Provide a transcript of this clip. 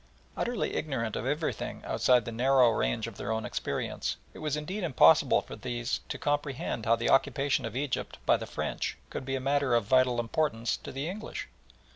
Utterly ignorant of everything outside the narrow range of their own experience, it was indeed impossible for these to comprehend how the occupation of Egypt by the French could be a matter of vital importance to the English.